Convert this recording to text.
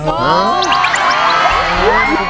โอ้ยโอ้ยโอ้ย